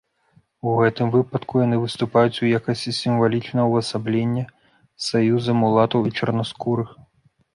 У гэтым выпадку яны выступаюць у якасці сімвалічнага ўвасаблення саюза мулатаў і чарнаскурых.